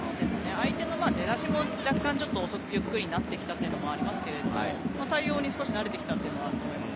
相手の出だしもゆっくりになってきたっていうのもありますけど、対応に少し慣れてきたというのは思います。